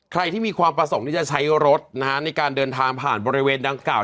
ใครที่มีความประสงค์ที่จะใช้รถในการเดินทางผ่านบริเวณดังกล่าว